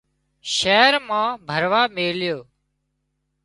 شهر مان ڀڻوا ميليو